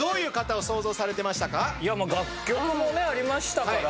いやまあ楽曲もねありましたから。